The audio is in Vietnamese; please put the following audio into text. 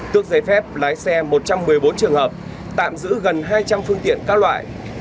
tước giấy phép lái xe một trăm một mươi bốn trường hợp tạm giữ gần hai trăm linh phương tiện các loại